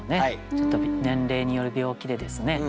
ちょっと年齢による病気でですね